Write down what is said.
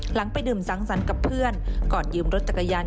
ไปดื่มสังสรรค์กับเพื่อนก่อนยืมรถจักรยาน